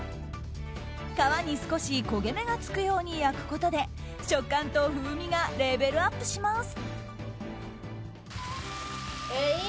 皮に少し焦げ目がつくように焼くことで食感と風味がレベルアップします。